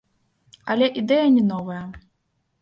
Але ідэя не новая.